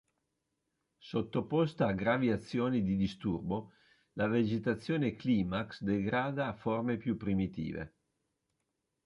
Sottoposta a gravi azioni di disturbo, la vegetazione climax degrada a forme più primitive.